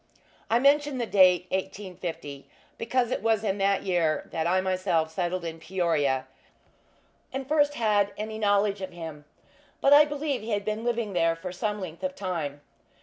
I mention the date, 1850, because it was in that year that I myself settled in Peoria, and first had any knowledge of him; but I believe he had then been living there for some length of time.